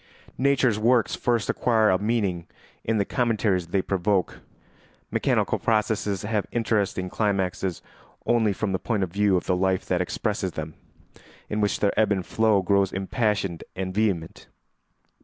Nature's works first acquire a meaning in the commentaries they provoke; mechanical processes have interesting climaxes only from the point of view of the life that expresses them, in which their ebb and flow grows impassioned and vehement.